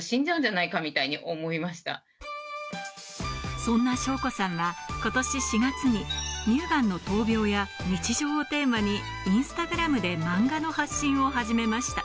そんな省子さんが今年４月に乳がんの闘病や日常をテーマにインスタグラムで漫画の発信を始めました。